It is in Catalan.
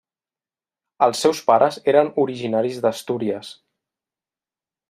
Els seus pares eren originaris d'Astúries.